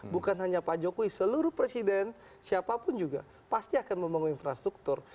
bukan hanya pak jokowi seluruh presiden siapapun juga pasti akan membangun infrastruktur